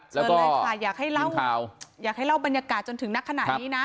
เชิญเลยค่ะอยากให้เล่าบรรยากาศจนถึงนักขนาดนี้นะ